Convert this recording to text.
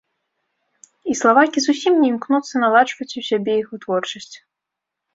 І славакі зусім не імкнуцца наладжваць у сябе іх вытворчасць.